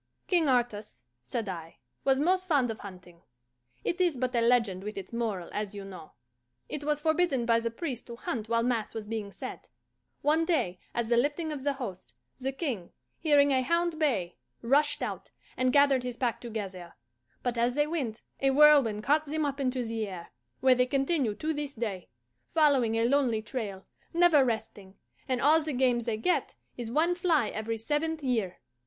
"King Artus," said I, "was most fond of hunting." (It is but a legend with its moral, as you know.) "It was forbidden by the priests to hunt while mass was being said. One day, at the lifting of the host, the King, hearing a hound bay, rushed out, and gathered his pack together; but as they went, a whirlwind caught them up into the air, where they continue to this day, following a lonely trail, never resting, and all the game they get is one fly every seventh year.